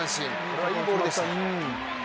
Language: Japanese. これはいいボールでした。